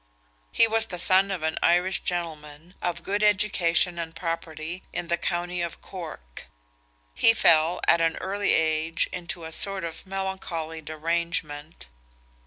He was the son of an Irish gentleman, of good education and property, in the county of Cork. He fell, at an early age, into a sort of melancholy derangement.